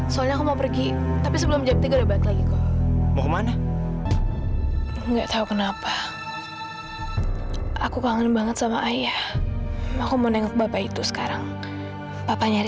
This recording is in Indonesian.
sampai jumpa di video selanjutnya